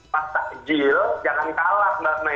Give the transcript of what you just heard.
mas takjil jangan kalah mbak may